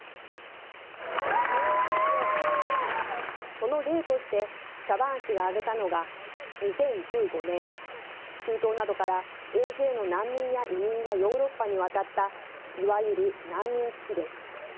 その例として、シャバーン氏が挙げたのが、２０１５年、中東などから大勢の難民や移民がヨーロッパに渡ったいわゆる難民危機です。